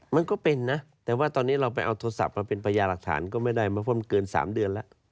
มันก็เป็นนะแต่ว่าตอนนี้เราไปเอาโทรศัพท์มาเป็นพยาหลักฐานก็ไม่ได้มาเพราะมันเกิน๓เดือนแล้ว